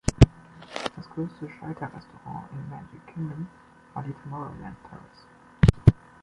Das größte Schalterrestaurant im Magic Kingdom war die Tomorrowland Terrace.